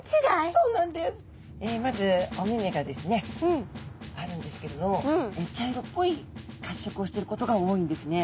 まずお目々があるんですけれど茶色っぽいかっしょくをしてることが多いんですね。